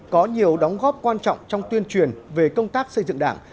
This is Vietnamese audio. có nhiều đóng góp quan trọng trong tuyên truyền về công tác xây dựng đảng